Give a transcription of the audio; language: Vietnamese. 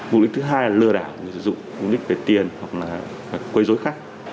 mục đích thứ hai là lừa đảo người dùng mục đích về tiền hoặc là quây dối khách